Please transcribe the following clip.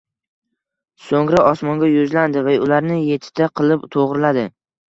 So‘ngra osmonga yuzlandi va ularni yettita qilib to‘g‘riladi.